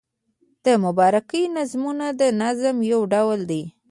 د مبارکۍ نظمونه د نظم یو ډول دﺉ.